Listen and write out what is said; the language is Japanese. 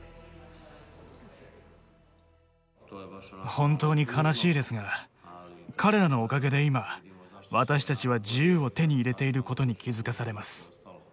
本当に悲しいですが彼らのおかげで今私たちは自由を手に入れていることに気付かされます。